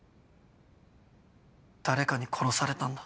誰かに殺されたんだ。